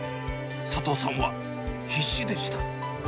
佐藤さんは必死でした。